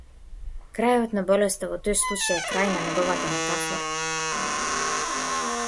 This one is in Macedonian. Крајот на болеста во тој случај е крај на неговата метафора.